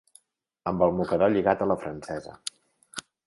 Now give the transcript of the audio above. Amb el mocador lligat a la francesa.